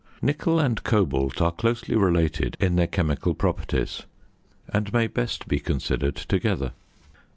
Nickel and cobalt are closely related in their chemical properties, and may best be considered together.